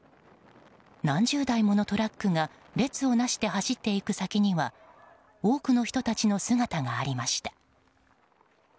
何十台ものトラックが列をなして走っていく先には多くの人たちの姿がありました。